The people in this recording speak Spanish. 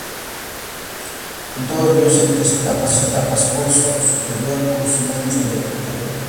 En todo río se distinguen tres etapas: Curso superior, curso medio y curso inferior.